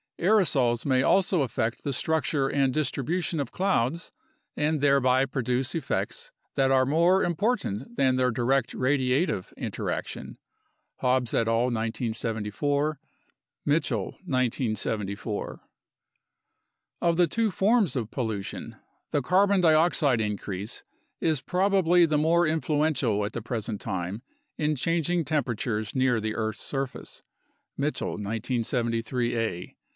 Aerosols may also affect the structure and distribution of clouds and thereby produce effects that are more im portant than their direct radiative interaction (Hobbs et al., 1914; Mitchell, 1974). Of the two forms of pollution, the carbon dioxide increase is probably the more influential at the present time in changing temperatures near the earth's surface (Mitchell, 1973a).